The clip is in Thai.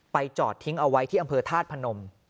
จอดทิ้งเอาไว้ที่อำเภอธาตุพนม